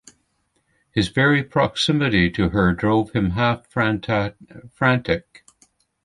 His very proximity to her drove him half frantic.